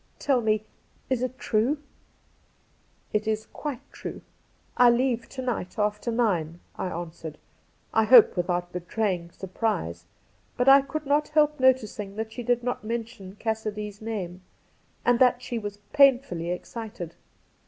Tell me, is it true ?'' It is quite true. I leave to night after nine,' I answered — I hope without betraying surprise; but 1 could not help noticing that she did not mention Cassidy's name, and that she was pain fully excited.